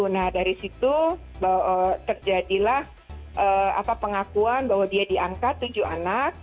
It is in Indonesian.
nah dari situ terjadilah pengakuan bahwa dia diangkat tujuh anak